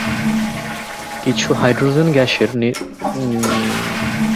কিছু hydrogen gas নির্গমনের মাধ্যমে তারা জলের সঙ্গে বিক্রিয়া করে হাইড্রক্সাইড গঠন করে।